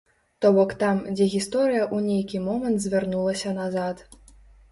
То бок там, дзе гісторыя ў нейкі момант звярнулася назад.